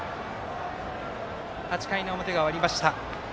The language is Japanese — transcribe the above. ８回の表が終わりました。